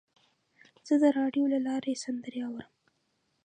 زه د راډیو له لارې سندرې اورم.